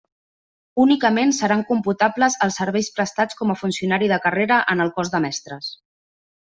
Únicament seran computables els serveis prestats com a funcionari de carrera en el cos de mestres.